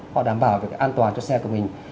họ đảm bảo về cái an toàn cho xe của mình